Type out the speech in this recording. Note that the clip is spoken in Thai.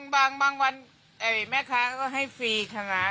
บางบางวันแม่ค้าก็ให้ฟรีขนา